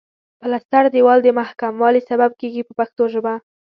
پلستر دېوال د محکموالي سبب کیږي په پښتو ژبه.